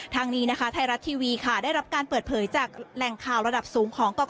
ทางนี้นะคะไทยรัฐทีวีค่ะได้รับการเปิดเผยจากแหล่งข่าวระดับสูงของกก